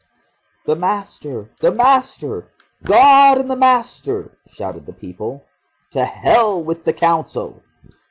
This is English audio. "The Master, the Master! God and the Master," shouted the people. "To hell with the Council!"